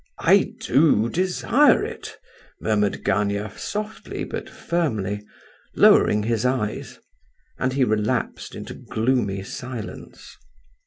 "I do desire it," murmured Gania, softly but firmly, lowering his eyes; and he relapsed into gloomy silence.